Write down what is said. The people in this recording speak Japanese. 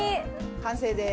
完成です。